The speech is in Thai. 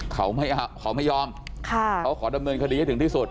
เขาไม่ยอมขอดำเนินคดียังไม่ถึงที่สุด